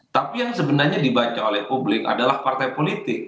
tapi yang sebenarnya dibaca oleh publik adalah partai politik